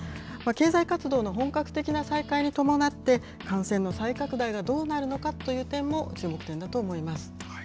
経済活動の本格的な再開に伴って、感染の再拡大がどうなるのかという点も注目点だと思います。